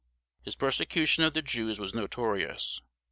His persecution of the Jews was notorious.